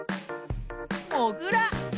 もぐら。